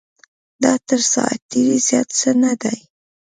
دا تر ساعت تېرۍ زیات څه نه دی.